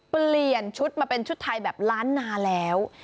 เปลี่ยนชุดมาเป็นชุดไทยแบบล้านนาแล้ว